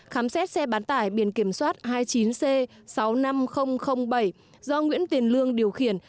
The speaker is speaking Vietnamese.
khám xét xe bán tải biển kiểm soát hai mươi chín c sáu mươi năm nghìn bảy do nguyễn tiền lương điều khiển